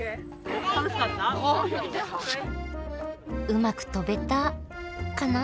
うまく飛べたカナ？